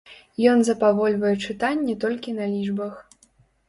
Ён запавольвае чытанне толькі на лічбах.